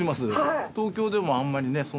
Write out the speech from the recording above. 東京でもあんまりね